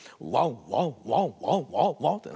ワンワンワンワンって。